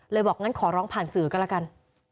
เลยบอกงั้นขอร้องผ่านสื่อกันละกัน